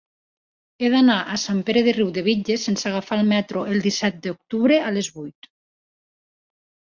He d'anar a Sant Pere de Riudebitlles sense agafar el metro el disset d'octubre a les vuit.